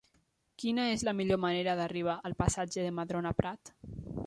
Quina és la millor manera d'arribar al passatge de Madrona Prat?